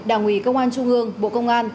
đảng ủy công an trung ương bộ công an